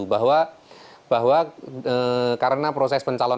bahwa karena proses pencalonan